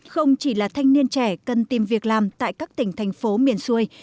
không chỉ là thanh niên trẻ cần tìm việc làm tại các tỉnh thành phố miền xuôi